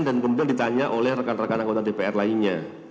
dan kemudian ditanya oleh rekan rekan anggota dpr lainnya